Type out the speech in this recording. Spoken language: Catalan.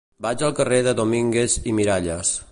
Vaig al carrer de Domínguez i Miralles.